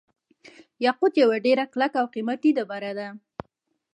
یاقوت یوه ډیره کلکه او قیمتي ډبره ده.